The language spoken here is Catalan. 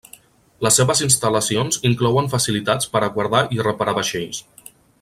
Les seves instal·lacions inclouen facilitats per a guardar i reparar vaixells.